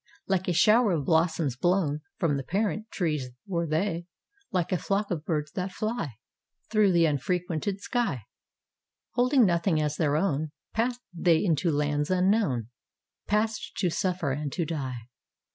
Like a shower of blossoms blown From the parent trees were they ; Like a flock of birds that fly 623 ' PALESTINE Through the unfrequented sky, Holding nothing as their own, Passed they into lands unknown, Passed to suffer and to die.